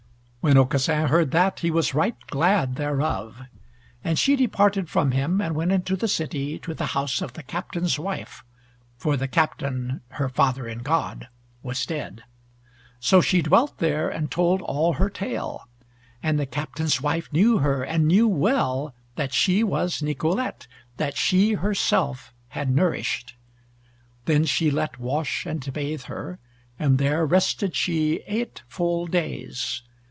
When Aucassin heard that, he was right glad thereof. And she departed from him, and went into the city to the house of the Captain's wife, for the Captain her father in God was dead. So she dwelt there, and told all her tale; and the Captain's wife knew her, and knew well that she was Nicolete that she herself had nourished. Then she let wash and bathe her, and there rested she eight full days.